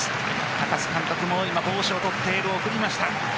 高津監督も今、帽子を取ってエールを送りました。